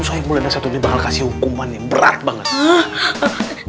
soi mulyana satuni bakal kasih hukuman yang berat banget